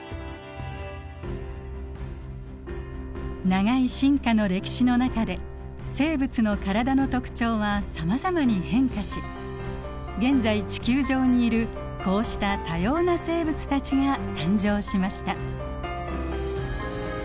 長い進化の歴史の中で生物の体の特徴はさまざまに変化し現在地球上にいるこうした多様な生物たちが誕生しました。